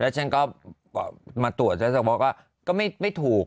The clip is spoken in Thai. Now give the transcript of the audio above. ฉันก็มาตรวจก็ไม่ถูก